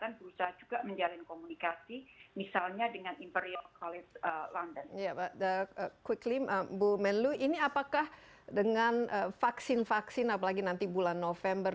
apakah ini bisa dilakukan sama dengan vaksin vaksin apalagi bulan november